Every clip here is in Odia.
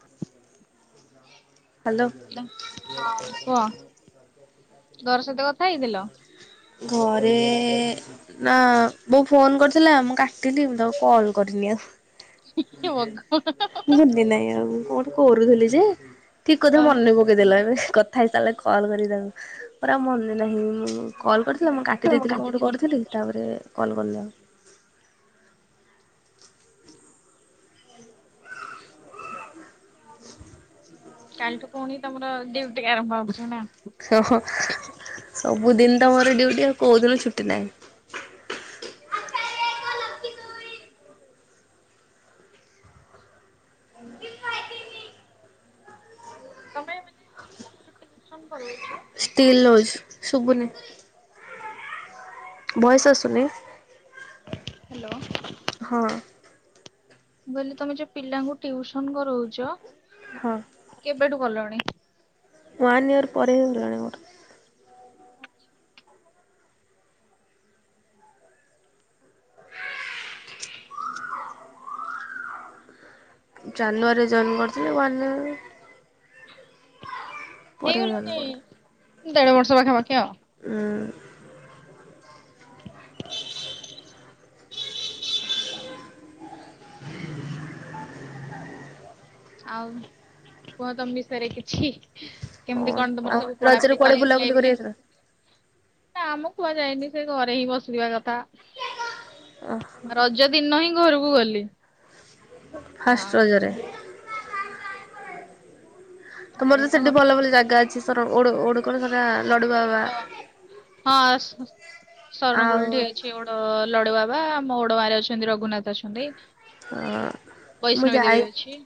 [inaudible] ହ୍ୟାଲୋ ଦ୍ ହଁ କୁହ ଘର ସହିତ କଥା ହେଇଥିଲ? ଘରେ ନା ବୋଉ ଫୋନ୍ କରିଥିଲା ମୁଁ କାଟିଲି ମୁଁ ତାକୁ କଲ କରିନି ଆଉ। ଏ ବୋଗ [inaudible] ରି ନାଇଁ ଆଉ କଣ ଟେ କରୁଥିଲି ଯେ ଠିକ୍ କଥା ଓହୋ ମନେ ପ କେଇଦେଲ ଏବେ କଥା ହେଇସାରିଲେ କଲ୍ କରିବି ତାକୁ ମୋର ଆଉ ମନେ ନାହିଁ ମୁଁ କଲ୍ କରିଥିଲା ମୁଁ କାଟି ଦେଇଥିଲି କଣ ଗୋଟେ କରୁଥିଲି, ତାପରେ କଲ୍ କରିନି ଆଉ। କାଲିଠୁ ପୁଣି ତମର ଡିଉଟି ଆରମ୍ଭ ହଉଚି ନା। ସବୁଦିନି ତ ମୋର ଡ୍ୟୁଟି ଆଉ କୋଉଦିନ ଛୁଟିନାଇଁ। ତମେ ଏମିତି ପିଲାଙ୍କୁ ଯଉ ଟିଉସନ୍ କରଉଚ। ଷ୍ଟିଲ୍ ଲୁଜ୍ ଶୁଭୁନି। ବଏସ୍ ଆସୁନି। ହାଲୋ। ହଁ। ବୋଇଲେ ତମେ ଯୋଉ ପିଲାଙ୍କୁ ଟିଉସନ୍ କରଉଚ। ହଁ। କେବେଠୁ କଲଣି? ୱାନ୍ ଇୟର୍ ପରେ ହେଇଗଲାଣି ମୋର। ଜାନୁଆରୀରେ ଜଏନ୍ କରିଥିଲି ୱାନ୍ ପରେ ହେଇଗଲାଣି ହେଇଗଲାଣିି ଦେଢ ବର୍ଷ ପାଖା ପାଖି ଆଉ। ହୁଁ। ଠିକ [unintelligible] ଆଉ କୁହ ତମ ବିଷୟରେ କିଛି। କେମିତି କଣ ଆଉ ତମର ସବୁ ରଜରେ ପଢାପଢି କୁଆଡେ କଲେଜ୍ ବୁଲାବୁଲି ଲାଇପ୍ କରି କେମି ଯାଇଥିଲ? ନାମ କୁଆଡେ ଯାଇନି ସେ ଘରେ ହିଁ ବସିବା କଥା। ଓହୋ ରଜ ଦିନ ହିଁ ଘରକୁ ଗଲି। ଫାଷ୍ଟ୍ ଆଉ ରଜରେ। ରଜ ତମର ତ ଦିନ ସେଠି ଭଲ ଭଲ ଜାଗା ଅଛି ସେଟା [unintelligible] ଲଡୁ ବାବା। ଘର ହଁ, ସରଣ ଆଉ ଗୁଲ୍ଟେ ହେଇଛି ଅ ଅ, ଲଡୁବାବା ମଉଡ ମାରେ ଅଛନ୍ତି ରଘୁନାଥ ଅଛନ୍ତି। ଅ ମୁଁ ବୈଷ୍ଣବି ଯାଇ ଦେବୀ ଅଛି।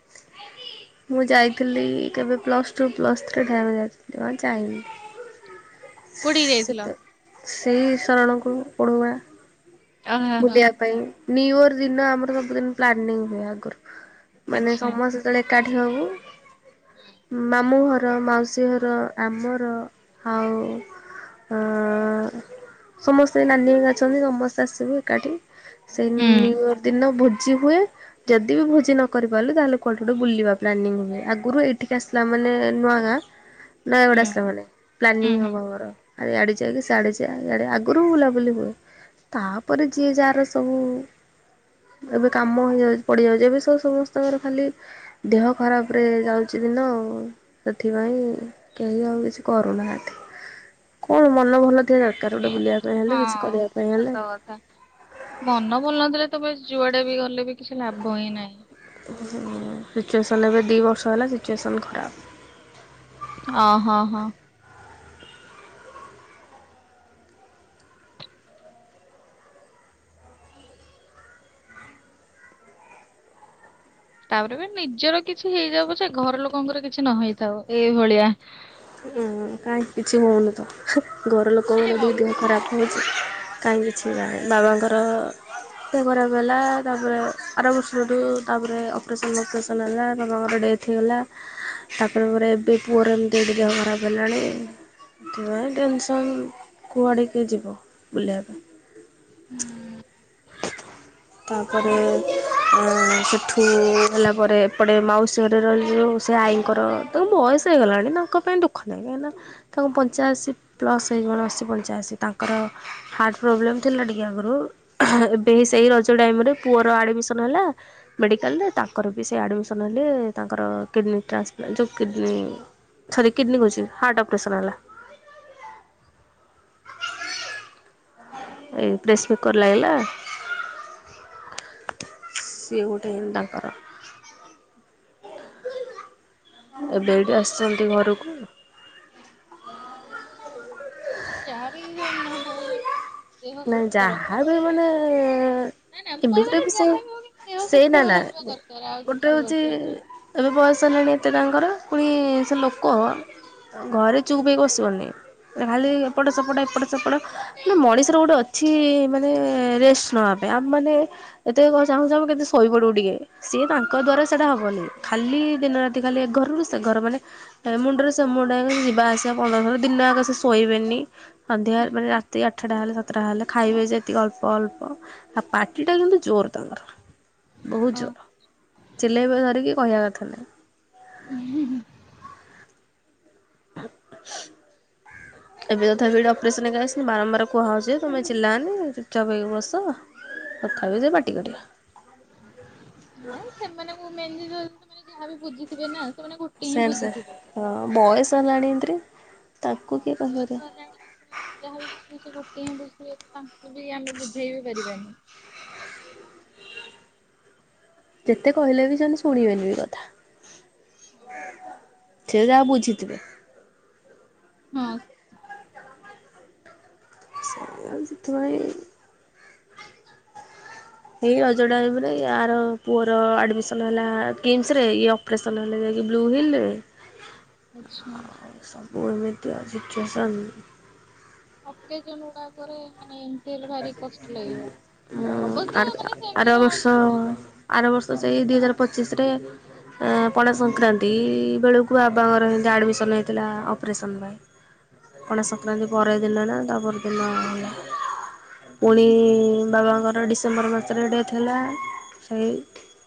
ମୁଁ ଯାଇଥିଲି କେବେ ପ୍ଲସ୍ ଟୁ ପ୍ଲସ ଥ୍ରୀ [unintelligible] ଯାଇନି। କୋଉଠିକି ଯାଇଥିଲ? ସେତେ ସେହି ଶରଣକୁ ପଢ଼ୁବା। ଓହୋ ବୁଲିବା ପାଇଁ ନିଉୟର୍ ଦିନ ଆମର ସବୁଦିନ ପ୍ଳାନିଂ ହୁଏ ଆଗୁରୁ। ମାନେ ଆଚ୍ଛା ସମସ୍ତେ ଯେତେବେଳେ ଏକାଠି ହଉ ମାମୁଁ ଘର, ମାଉସୀ ଘର। ର ଆମର ହଉ। ଅଁ ସମସ୍ତେ ନାନୀ ଏକା ଅଛନ୍ତି ସମସ୍ତେ ଆସିବେ। ଏକାଠି ସେଇ ହୁଁ ନିୟୁର ଦିନ ଭୋଜି ହୁଏ। ଯଦି ବି ଭୋଜି ନ କରି ପାରିଲୁ ତାହେଲେ କୁଆଡେ ଗୋଟେ ବୁଲିବା ପ୍ଲାନିଙ୍ଗ୍ ହୁଏ ଆଗରୁ ଏଠିକି ଆସିଲା ମାନେ ନୂଆ ଗାଁ। ନୟାଗଡ ହୁଁ ଆସିଲା ମାନେ ହୁଁ ପ୍ଲାନିଂ ହୁଁ ହବ ଆମର। ଆରେ ଇଆଡ଼େ ଯାକି ସାଆଡେ ଯା ଆଡ଼େ ଆଗୁରୁ ବୁଲାବୁଲି ହୁଏ ତାପ ପରେ ଯିଏ ଯାହାର ସବୁ। ଏବେ କାମ ହେଯାଉ ପଡିଯାଉଛି ଏବେ ସବୁ ସମସ୍ତଙ୍କର ଖାଲି। ଦେହ ଖରାପ ରେ ଯାଉଚି ଦିନ ଆଉ। ସେଥିପାଇଁ କେହି ଆଉ କିଛି କରୁନାହାନ୍ତି। କଣ ମନ ଭଲ ଥିବା ଦରକାର ଗୋଟେ ବୁଲିବା ପାଇଁ ହଁ। ହେଲେ କିଛି କରିବା ପାଇଁ ସତ ହେଲେ। କଥା ମନ ଭଲ ନଥିଲେ ତମେ ଯୁଆଡେ ବି ଗଲେ ବି କିଛି ଲାଭ ହିଁ ନାହିଁ। ସିଚୁଏସନ୍ ଏବେ ଦୁଇ ବର୍ଷ ହେଲା ସିଚୁଏସନ୍ ଖରାପ। ଅ ହ ହ। ତାପରେ ବି ନିଜର କିଛି ହେଇଯାଉ ପଛେ ଘର ଲୋକଙ୍କର କିଛି ନ ହେଇଥାଉ ଏଇଭଳିଆ। ଉ କାହିଁ କିଛି ହଉ [unintelligible] ଘର ଲୋକଙ୍କର ବିି ଦେହ ଖରାପ। [unintelligible] କାହିଁକ କିିଛି ନା ବାବାଙ୍କର ଦେହ ଖରାପ ହେଲା ତାପରେ ଆରବର୍ଷରୁ ତାପରେ ଅପରସନ୍ ପରସନ [unintelligible] ଗଲା ତାପରେ ପରେ [unintelligible] ଏବେ ପୁଅର ଏମିତି ଟିକେ ଖରାପ ହେଲାଣି। ଏଥିପାଇଁ ଟେନସନ୍ କୁଆଡ଼ିକେ ଯିବ ବୁଲିବା ପାଇଁ। ହୁଁ। ତାପରେ ସେଠୁ ହେଲା ପରେ ଏପଟେ ମାଉସୀରେ ରହିଲୁ ସେ ଆଈଙ୍କର ତା ବୟସ ହେଇଗଲାଣି ନା ତାଙ୍କ ପାଇଁ ଦୁଃଖ ନାହିଁ ନା। ତାଙ୍କ ପଞ୍ଚାଅଶୀ ପ୍ଲସ୍ ହେଇଗ [unintelligible] ଅଶୀ ପଞ୍ଚାଅଶୀ ତାଙ୍କର ହାର୍ଟ ପ୍ରୋବ୍ଲେମ୍ ଥିଲା ଟିକେ ଆଗରୁ। ଏବେ ସେଇ ରଜ ଟାଇମରେ ପୁଅର ଆଡ଼ମିସନ୍ ହେଲା। ମେଡ଼ିକାଲରେ ତାଙ୍କର ବି ସେ ଆଡ଼ମିସନ୍ ହେଲେ ତାଙ୍କର କିଡ଼ନୀ ଟ୍ରାନ୍ସପ୍ଲାଣ୍ଟ ଯୋଉ କିଡ଼ନୀ ସରି କିଡନୀ କରୁଛିି ହାର୍ଟ ଅପରେସନ୍ ହେଲା। ଏଇ ପ୍ରେସ୍ କକର୍ ଲାଗିଲା। ସିଏ ଗୋଟେ ତାଙ୍କର ଏବେ ଇ ଆସିଛନ୍ତି ଘରକୁ। ଯାହା ବି [unintelligible] ହୋବ ନାଇଁ ଜାହାର ବି ମାନେ ନା ନା ମୁଁ ଏମତି କହିବାନି ଯାହା ବି [unintelligible] ହଉ କିନ୍ତୁ ଦେହ ସୁସ୍ଥ ସେଇତା ନା ରଖିବା ଦରକାର ଆଉ ଗୋଟେ କିଛି ହୋଉଚି ଦରକାର ନାହିଁ। ଏବେ ବୟସ ହେଲାଣି ଏତେ ତାଙ୍କର ପୁଣି ସେ ଲୋକ ଘରେ ଚୁପ ପ ବସିବନି ଖାଲି ଏପଟ ସେପଟ ଏପଟ ସେପଟ ମାନ ମଣିଷ [unintelligible] ଗୋଟେ ଅଛି ମାନେ ରେଷ୍ଟ ନେବା ପାଇଁ ଆମେ ମାନେ ଏତେ [unintelligible] କେତେ ଶୋଇପଡିବ ଟିକେ ସିଏ ତାଙ୍କ ଦ୍ଵାରା ସେଇଟା ହବନି। ଖାଲି ଦିନ ରାତି ଖାଲି ଘରରୁ ସେ ଘର, ମାନେ ମୁଣ୍ଡରେ ସେ ମୁଣ୍ଡାକ ଯିବା ଆସିବା ପନ୍ଦ ଦିନ ଆଗ ସେ ଶୋଇବେନି। ସନ୍ଧ୍ୟା ମାନେ ରାତି ଆଠଟା ହେଲା। ତାହେଲେ ଖାଇବେ ଯେତିକି ଅଳ୍ପ ଅଳ୍ପ ଆଉ ପାଟି ଟା କିନ୍ତୁ ଜୋର ତାଙ୍କର। ବହୁତ ଜୋର ହଁ। ଚିଲେଇବେ ଧରିକି କହିବା କଥା ନାହିଁ। ହୁ ହୁ। [inaudible] ଏବେ ତଥାପିଟ ଅପରେସନ୍ ହେଇ ଆସିନି ବାରମ୍ବାର କୁହାହେଉଛି ତୁମେ ଚିଲାଓନି ଚୁପ୍ ଚାପ୍ ହେଇି ବସ। ତଥାପି ସେ ପାଟି [unintelligible] ସେମାନଙ୍କୁ ମେନ ଜିନିଷ ଯାହା ବି ବୁଝିଥିବେ ନା ସେମାନେ ଗୋ ସାର୍ ସାର୍ ହଁ ବୟସ ହେଲାଣି ଏମତିରେ ତାକୁ କିଏ [unintelligible] କରିବା। ଯାହା ବି ସେ ଗୋଟିଏ ହିଁ ବୁଝିବେ ତାଙ୍କୁ ବି ଆମେ ବୁଝେଇ ବି ପାରିବାନି। ଯେତେ କହିଲେ ବି ସେ ଶୁଣିବେନି ଏ କଥା। ସେ ଯାହା ବୁଝିଥିବେ। ହଁ। [unintelligible] ଏଇ ଅଜଡାରେ [unintelligible] ଆ ପୁଅର ଆଡମିସନ ହେଲା [unintelligible] ରେ। [unintelligible] ହେଲେ ଯାଇକି ବ୍ଲୁ ହିଲରେ। [inaudible] ସବୁ ଏମିତି ସିଚୁଏସନ୍। ଅକେଜନ ଗୁଡାକରେ ମାନେ ହେଲେ ଭାରି କଷ୍ଟ ହୁଁ ଲାଗିବ ଅବଶ୍ୟ ଆର୍ ମାନେ ସେମିତି ଆର କଣ ବର୍ଷ। ଆର ବର୍ଷ ସେଇ ଦି ହଜାର ପଚିଶରେ। ଏଁ ପଣା ସଂକ୍ରାନ୍ତି ବେଳକୁ ବାବାଙ୍କର ହେଁତି ଆଡ଼ମିସନ୍ ହେଇଥିଲା ଅପରେସନ୍ ପାଇଁ। ପଣା ସଂକ୍ରାନ୍ତି ପରେ ଦିନ ନା ତାପର ଦିନ ହେଲା। ପୁଣି ବାବାଙ୍କର ଡିସେମ୍ବର ମାସରେ ଡେଥ୍ ହେଲା ସେଇ।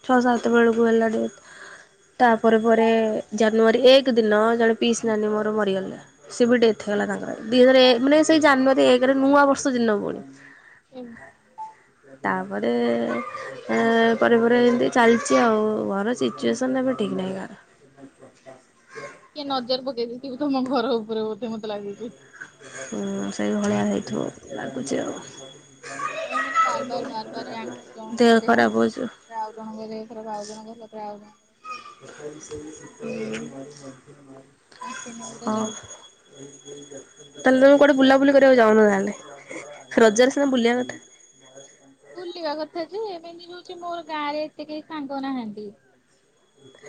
ଛଅ ସାତେ ବେଳକୁ ହେଲା ଡ଼େଥ୍। ତାପରେ ପରେ ପରେ ଜାନୁଆରୀ ଏକ ଦିନ ଜଣେ ପିଇସି ନାନୀ ମୋର ମରିଗଲେ। ସେ ବି ଡେଥ ହେଇଗଲା ତାଙ୍କର ଦି ହଜାର ମାନେ ସେଇ ଜାନୁଆରୀ ଏକରେ ନୂଆ ବର୍ଷ ଦିନ ପୁଣି। ତାପରେ। ଏ ପରେ ପରେ ଏମିତି ଚାଲିଛି ଆଉ ଘର ସିଚୁଏସନ ଏବେ ଠିକ ନାହିଁ କାହାର। ଛା କିଏ ନଜର ପକେଇ ଦେଇଥିବେ ତମ ଘର ଉପରେ ବୋଧେ ମତେ ଲାଗୁଛି। ହୁଁ ସେଇ ଭଳିଆ ହେଇଥିବ ଲାଗୁଛି ଆଉ। ହଁ ମାନେ ବାର ବାର ବାର ବାର ୟାଙ୍କ ଜଣଙ୍କ ଦେହ ଖରାପ ତା ହଉଛି ପରେ ଆଉ ଜଣଙ୍କ ଦେହ ଆଉ ଜଣଙ୍କର ତା ପରେ ଆଉ ଜଣଙ୍କ ର। ହୁଁ। ହଁ କଣ୍ଟିନ୍ୟୁ ପୁରା ଚାଲିଛି। ତାହେଲେ ତମେ କୁଆଡେ ବୁଲାବୁଲି କରିବାକୁ ଯାଉନ ତାହେଲେ। ରଜାରେ ସିନା ବୁଲିବା କଥା। ବୁଲିବା କଥା ଯେ ମେନ ଜିନିଷ ହଉଛି ମୋର ଗାଁ ରେ ଏତେ କେହି ସାଙ୍ଗ ନାହାନ୍ତି।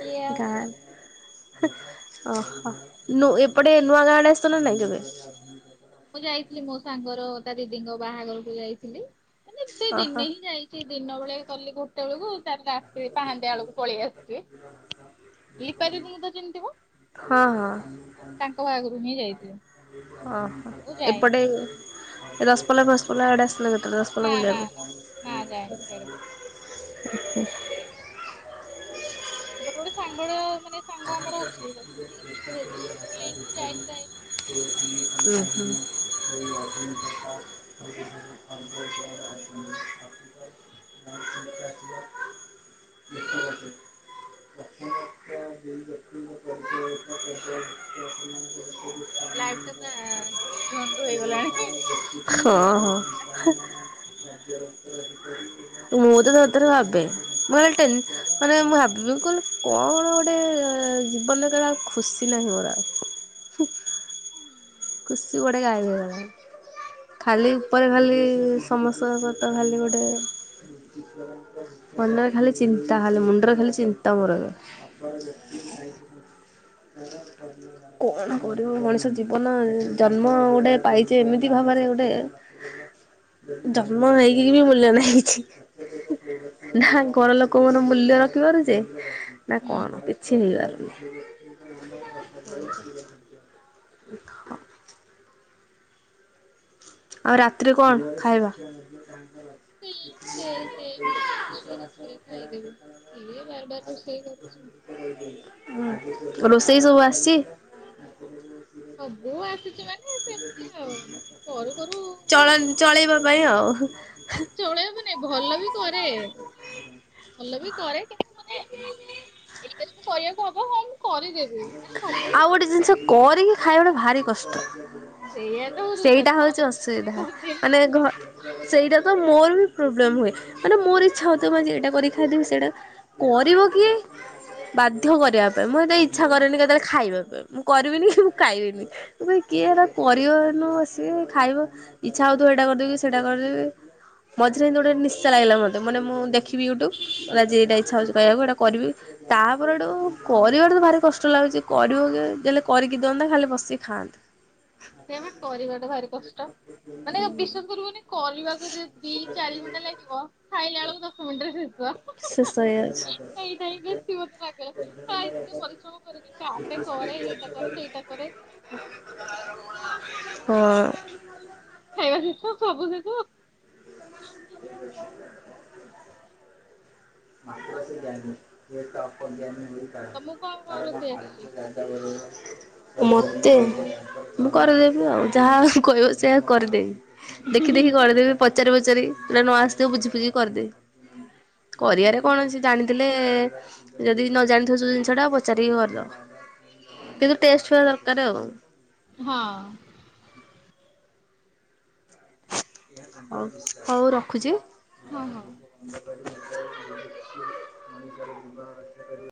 କିଏ ଆଉ ଗାଁ। କୁଆଡେ ହେଁ ଓ ହଃ ନୁ ଏପଟେ ନୂଆ ଆଡେ ଆସୁନ ନା କେବେ। ମୁଁ ଯାଇଥିଲି ମୋ ସାଙ୍ଗର ତା ଦିଦିଙ୍କ ବାହାଘରକୁ ଯାଇଥିଲି ମାନେ ସେ ଓହୋ ଦିନେ ହିଁ ଯାଇି। ସେଇ ଦିନ ବେଳେ ଗଲି ଗୋଟେ ବେଳକୁ ତାପର ରାତିି ପାହାନ୍ତିଆ ବେଳକୁ ପଳେଇ ଆସିଛି। ଲିସା ଦିଦିଙ୍କୁ ତ ଚିହ୍ନି ଥିବ ହଁ ହଁ। ତାଙ୍କ ବାହାଘର କୁ ହିଁ ଯାଇଥିଲି। ଓ ହୋ ଆଉ ଯାଇନି। ଏପଟେ ଦସପଲା ଫସପଲା ଆଡେ ଆସିନ କେବେ। ଦସପଲା ବୁଲିବାକୁ। ସିଆଡୁକର। ଉଁ ହୁଁ। ସେପଟେ ଗୋଟେ ସାଙ୍ଗ ଟା ମାନେ ସାଙ୍ଗ ଆମର ଅଛି ସେ କୁହେଯେ ଯାଇନୁ ଯାଇନୁ ଯାଇନି ଆଉ। ଉୁଁ ହୁଁ। ସେ ଆ ିକସ [unintelligible] [unintelligible] ଲାଇଫ ଟା ପୁରା। ଝୁଣ୍ଡୁ ହେଇଗଲାଣି ହିଁ। ହଁ ହଁ ହେଁ। ମୁଁ ତ ଥରେଥରେ ଭାବେ ମୁଁ କହିଲ ଟେନ ମାନେ ମୁଁ ଭାବେ କହିଲି କଣ ଗୋଟେ। ଜିବନ ରେ କାଇଁ ଆଉ ଖୁସି ନାହିଁ ମୋର ଆଉ।। ଖୁସି କୁଆଡେ ଗାଏଭ ହେଇଗଲାଣି ଖାଲି ଉପରେ। ଖାଲି ସମସ୍ତଙ୍କ ସହିତ ଖାଲି ଗୋଟେ। ମନରେ ଖାଲି ଚିନ୍ତା ଖାଲି ମୁଣ୍ଡରେ ଖାଲି ଚିନ୍ତା ମୋର ଏବେ। [unintelligible] [unintelligible] କଣ କରିବ ମଣିଷ ଜୀବନ ଜନ୍ମ ଗୋଟେ ପାଇଛେ ଏମିତି ଭାବରେ ଗୋଟେ। ଜନ୍ମ ହେଇକି ବି ମୂଲ୍ୟ ନାହିଁ କିଛି। ନା ଘର ଲୋକ ଙ୍କର ମୂଲ୍ୟ ରଖିପାରୁଛି ନା କଣ କିଛି ହେଇ ପାରୁନି। [unintelligible] [unintelligible] ଆଉ ରାତିରେ କଣ ଖାଇବା? କ୍ଷୀରି ଫିରି ଖାଇଦେବି କିଏ ବାର ବାର ରୋଷେଇ କରୁଛି। ଉଁ ରୋଷେଇ ସବୁ ଆସିଛି? ହବୁ ଆସିଛି ମାନେ ସେମତି ଆଉ କରୁ କରୁ ଚଳନ୍ ଚଳେଇବା ପାଇଁ ଆଉ ହୁଁ ହୁଁ। ଚଳେଇବା ନାଇଁ ଭଲ ବି କରେ ଭଲ ବି କରେ କିନ୍ତୁ ମାନେ ଆ ଏଇଟା ଯଦି କରିବାକୁ ହବ ହଁ ମୁଁ କରିଦେବି ମାନେ ସବୁ ଆଉ କିଛିନା। ଗୋଟେ ଜିନିଷ କରିକି ଖାଇବାଟା ଭାରି କଷ୍ଟ। ସେଇଆ ତ ହଉଚି ସେଇଟା କଥା ହଉଛି ଥରେ ମୁଁ ରୋଷେଇ ଅସୁବିଧା କରିଦେବି ମାନେ ଘ ବାସ୍ ସେଇଟା ତ ମୋର ବି ପ୍ରୋବ୍ଲେମ ହୁଏ ମାନେ ମୋର ଇଚ୍ଛା ହଉଥିବ ମୁଁ ଆଜି ଏଇଟା କରି ଖାଇଦେବି ସେଇଟା କରିବ କିଏ ବାଧ୍ୟ କରିବା ପାଇଁ ମୁଁ ଏତେ ଇଚ୍ଛା କରେନି କେତେବେଳେ ଖାଇବା ପାଇଁ। ମୁଁ କରିବିନି କି ମୁଁ ଖାଇବିନି ମୁଁ କହିବି କିଏ ହେରା କରିବ ଏଇନା ବସିକି ଖାଇବ ଇଚ୍ଛା ହଉଥିବ ଏଇଟା କରିଦେବି ସେଇଟା କରିଦେବି ମଝିରେ ଏମିତି ଗୋଟେ ନିସା ଲାଗିଲା ମତେ ମାନେ ମୁଁ ଦେଖିବି ୟୁଟୁବ ମତେ ଆଜି ଏଇଟା ଇଚ୍ଛା ହେଉଛି ଖାଇବାକୁ ଏଇଟା କରିବି। ତା ପରଠୁ କରିବାଟା ତ ଭାରି କଷ୍ଟ ଲାଗୁଛି କରିବ କିଏ ଯିଏ ହେଲେ କରିକି ଦିଅନ୍ତା ଖାଲି ବସିକି ଖାଆନ୍ତୁ। ସେଇଆବା କରିବା ଟା ଭାରି କଷ୍ଟ ମାନେ ବିଶ୍ୱାସ କରିବନି କରିବାକୁ ଯଦି ଦି ଚାରି ଘଣ୍ଟା ଲାଗିବ ଖାଇଲା ବେଳକୁ ଦଶ ମିଣ୍ଟି ରେ ଶେଷ। ଶେଷ ହେଇଯାଉଛି। ଏଇଟା ହିଁ ବେଶୀ ମୋତେ ରାଗଲା ହା ଏତେ ପରିଶ୍ରମ କରକି କାଟେ କରେ ଏଇଟା କରେ ସେଇଟା କରେ [unintelligible] କରିବୁ। ହଁ। ଖାଇବା ସେସ ସବୁ ସେସ। [inaudible] [unintelligible] ତମୁକୁ କଣ କଣ ରୋଷେଇ ଆସିଛି? ତାପରେ ଓ ମତେ ମୁଁ କରିଦେବି ଆଉ ଯାହା କହିବ ସେୟା କରିଦେବି। ଦେଖି ଦେଖି କରିଦେବି ପଚାରି ପଚାରି ଯୋଉଟା ନ ଆସିଥିବ ବୁଝି ବୁଝି କି କରିଦେବି। କରିବାରେ କଣ ଅଛି ଜାଣିଥିଲେ ଯଦି ନ ଜାଣିଥିବ ଯୋଉ ଜିନିଷଟା ପଚାରିକି କରିଦେବ। କିନ୍ତୁ ଟେଷ୍ଟ ଥିବା ଦରକାର ଆଉ। ହଁ। ହଉ ହଉ ରଖୁଛି। ହଁ ହଁ। [unintelligible]